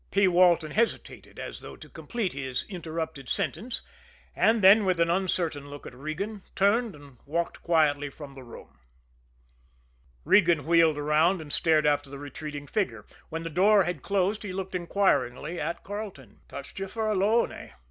P. Walton hesitated, as though to complete his interrupted sentence, and then, with an uncertain look at Regan, turned and walked quietly from the room. Regan wheeled around and stared after the retreating figure. When the door had closed he looked inquiringly at Carleton. "Touched you for a loan, eh?"